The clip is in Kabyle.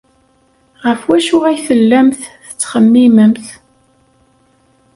Ɣef wacu ay tellamt tettxemmimemt?